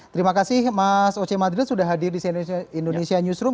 terima kasih mas oce madril sudah hadir di cnn indonesia newsroom